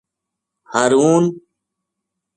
ہارون